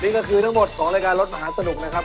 นี่ก็คือทั้งหมดของรายการรถมหาสนุกนะครับ